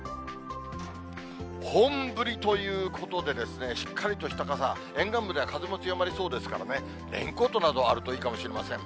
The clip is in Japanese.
本降りということでですね、しっかりとした傘、沿岸部では風も強まりそうですからね、レインコートなど、あるといいかもしれません。